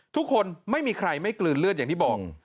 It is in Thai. ไม่มีใครไม่กลืนเลือดอย่างที่บอก